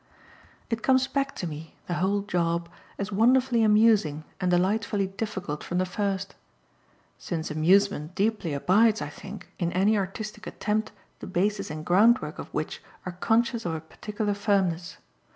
It comes back to me, the whole "job," as wonderfully amusing and delightfully difficult from the first; since amusement deeply abides, I think, in any artistic attempt the basis and groundwork of which are conscious of a particular firmness.